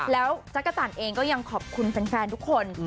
แล้วจักรจันทร์เองก็ยังขอบคุณแฟนทุกคน